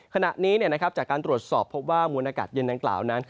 ขณะนี้จากการตรวจสอบพบว่ามวลอากาศเย็นดังกล่าวนั้น